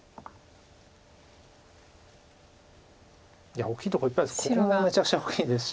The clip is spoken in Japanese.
いや大きいとこいっぱいです。